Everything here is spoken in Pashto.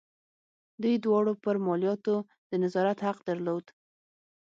دوی دواړو پر مالیاتو د نظارت حق درلود.